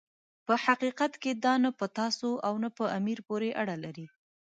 په حقیقت کې دا نه په تاسو او نه په امیر پورې اړه لري.